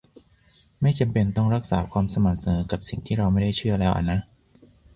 ไม่จำเป็นต้องรักษาความสม่ำเสมอกับสิ่งที่เราไม่ได้เชื่อแล้วอะนะ